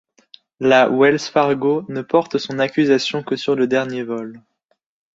La Wells Fargo ne porta son accusation que sur le dernier vol.